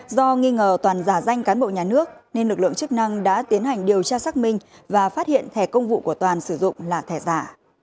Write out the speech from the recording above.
do nghi ngờ toàn giả danh cán bộ nhà nước nên lực lượng chức năng đã tiến hành điều tra xác minh và phát hiện thẻ công vụ của toàn sử dụng là thẻ giả